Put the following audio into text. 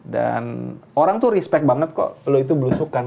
dan orang tuh respect banget kok lo itu belusukan